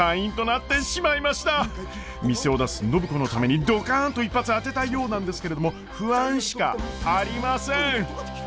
店を出す暢子のためにドカンと一発当てたいようなんですけれども不安しかありません！